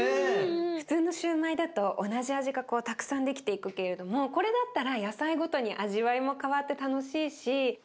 普通のシューマイだと同じ味がこうたくさん出来ていくけれどもこれだったら野菜ごとに味わいも変わって楽しいし。